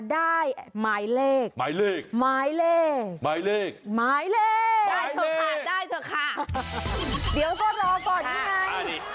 เดี๋ยวก็รอก่อนไง